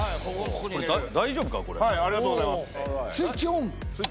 大丈夫か？